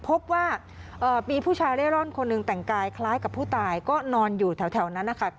พบว่ามีผู้ชายเร่ร่อนคนหนึ่งแต่งกายคล้ายกับผู้ตายก็นอนอยู่แถวนั้นนะคะ